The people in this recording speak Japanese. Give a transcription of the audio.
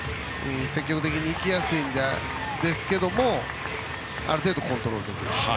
積極的に行きやすいんですけどもある程度、コントロールできる。